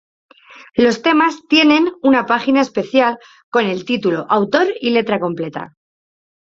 Los temas tiene una página especial con el título, autor y letra completa.